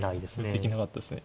できなかったですね。